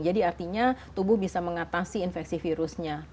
jadi artinya tubuh bisa mengatasi infeksi virusnya